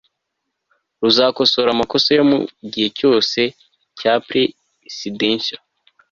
ruzakosora amakosa yo mu gihe cyahise pr sidentiel